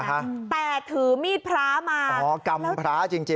แต่ถือมีดพระมาอ๋อกรรมพระจริง